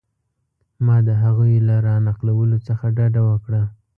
ما د هغوی له را نقلولو څخه ډډه وکړه.